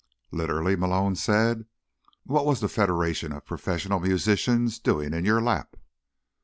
"Literally?" Malone said. "What was the Federation of Professional Musicians doing in your lap?"